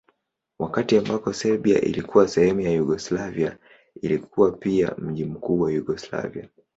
Wakati ambako Serbia ilikuwa sehemu ya Yugoslavia ilikuwa pia mji mkuu wa Yugoslavia.